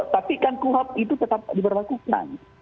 tapi kan kuhap itu tetap diberlakukan